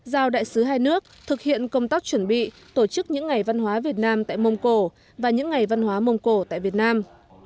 giao đại sứ hai nước thực hiện công tác chuẩn bị tổ chức những ngày văn hóa việt nam tại mông cổ và những ngày văn hóa mông cổ tại việt nam